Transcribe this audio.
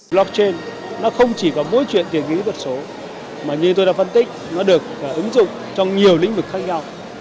blockchain nó không chỉ có mối chuyện tiền nghĩa vật số mà như tôi đã phân tích nó được ứng dụng trong nhiều lĩnh vực khác nhau